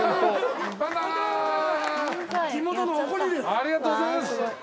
ありがとうございます。